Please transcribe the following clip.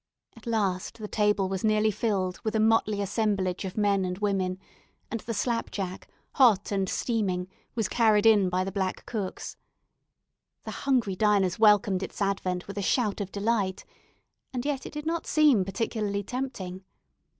At last the table was nearly filled with a motley assemblage of men and women, and the slapjack, hot and steaming, was carried in by the black cooks. The hungry diners welcomed its advent with a shout of delight; and yet it did not seem particularly tempting.